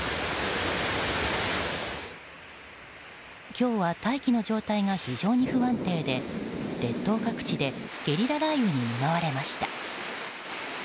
今日は大気の状態が非常に不安定で列島各地でゲリラ雷雨に見舞われました。